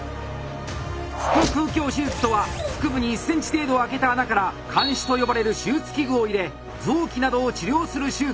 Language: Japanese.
腹腔鏡手術とは腹部に１センチ程度開けた穴から鉗子と呼ばれる手術器具を入れ臓器などを治療する手術のこと。